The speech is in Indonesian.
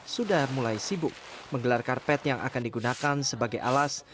sudah mulai sibuk menggelar karpet yang akan digunakan sebagai alas